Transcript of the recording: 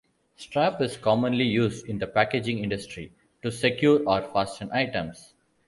Strap is commonly used in the packaging industry to secure or fasten items.